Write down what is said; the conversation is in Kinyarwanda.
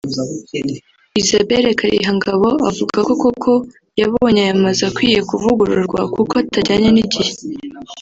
Isabelle Karihangabo avuga ko koko yabonye aya mazu akwiye kuvugururwa kuko atajyanye n’igihe